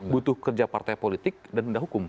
butuh kerja partai politik dan pindah hukum